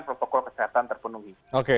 protokol kesehatan terpenuhi